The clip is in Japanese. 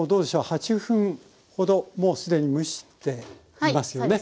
８分ほどもう既に蒸していますよね。